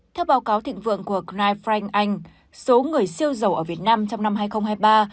theo báo cáo thịnh vượng của gnif frank anh số người siêu dầu ở việt nam trong năm hai nghìn hai mươi ba